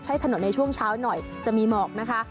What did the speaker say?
ใช้ถนนในช่วงเช้าหน่อยจะมีหมอกนะคะ